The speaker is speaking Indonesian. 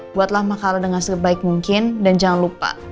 buatlah makanan dengan sebaik mungkin dan jangan lupa